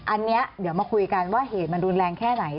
อันนี้เดี๋ยวมาคุยกันว่าเหตุมันรุนแรงแค่ไหน